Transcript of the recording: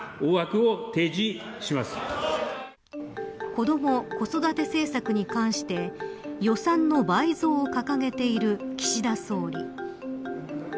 子ども・子育て政策に関して予算の倍増を掲げている岸田総理。